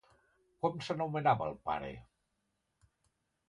Com s'anomenava el pare?